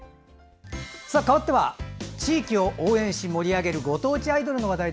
かわっては地域を応援し盛り上げるご当地アイドルの話題。